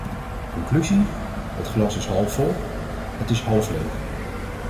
Conclusie, het glas is half vol, het is half leeg.